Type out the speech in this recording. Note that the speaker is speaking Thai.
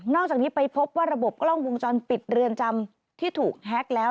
จากนี้ไปพบว่าระบบกล้องวงจรปิดเรือนจำที่ถูกแฮ็กแล้ว